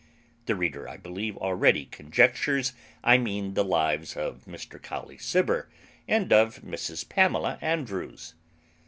The reader, I believe, already conjectures, I mean the lives of Mr Colley Cibber and of Mrs Pamela Andrews.